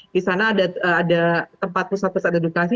di sana ada tempat pusat pusat edukasi